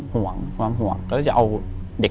อยู่ที่แม่ศรีวิรัยิลครับ